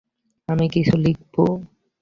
আমি কিছু লিখব।